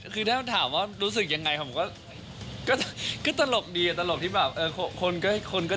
คือถ้าถามว่ารู้สึกยังไงผมก็ก็ตลกดีอะตลกที่แบบเออคนก็